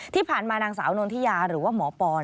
ที่ผ่านมานางสาวนนทิยาหรือว่าหมอปอน